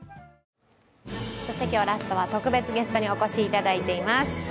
そして今日ラストは、特別ゲストにお越しいただいています。